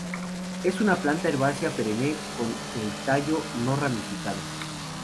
Es una planta herbácea perenne con el tallo no ramificado.